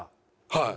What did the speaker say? はい。